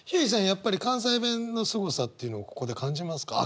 やっぱり関西弁のすごさっていうのをここで感じますか？